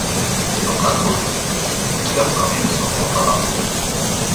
C'est donc un crowfunding qui leur permet de se rendre à Barcelone.